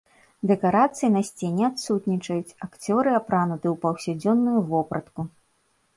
Дэкарацыі на сцэне адсутнічаюць, акцёры апрануты ў паўсядзённую вопратку.